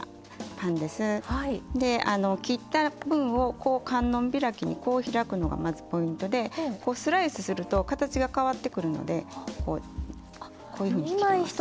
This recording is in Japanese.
であの切った分を観音開きにこう開くのがまずポイントでこうスライスすると形が変わってくるのでこうこういうふうにひきます。